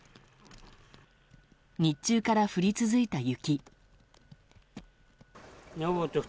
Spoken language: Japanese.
日中から降り続いた雪。